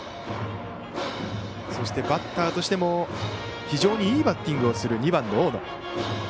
そしてバッターとしても非常にいいバッティングをする２番の大野。